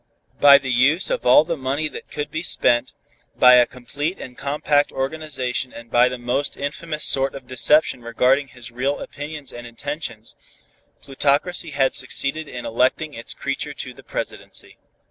By the use of all the money that could be spent, by a complete and compact organization and by the most infamous sort of deception regarding his real opinions and intentions, plutocracy had succeeded in electing its creature to the Presidency.